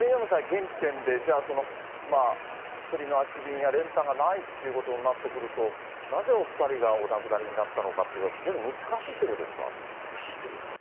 現時点でじゃあ、薬の空き瓶や練炭がないってことになってくると、なぜお２人がお亡くなりになったのかというのは、非常に難しいってことですか。